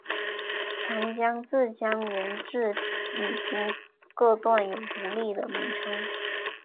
长江自江源至宜宾各段有独立的名称。